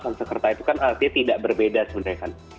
konserta itu kan artinya tidak berbeda sebenarnya kan